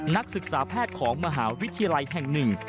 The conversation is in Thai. นักศึกษาแพทย์ของมหาวิทยาลัยแห่งหนึ่ง